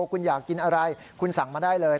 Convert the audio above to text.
คุณอยากกินอะไรคุณสั่งมาได้เลย